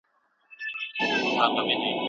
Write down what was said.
له سلسال سره به نوم د شاهمامې وي